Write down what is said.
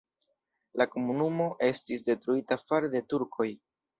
La komunumo estis detruita fare de turkoj.